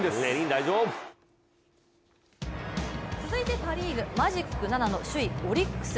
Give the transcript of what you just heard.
続いてパ・リーグマジック７のオリックス。